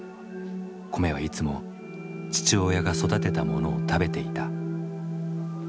米はいつも父親が育てたものを食べていた。